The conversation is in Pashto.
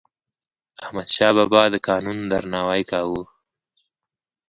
احمدشاه بابا د قانون درناوی کاوه.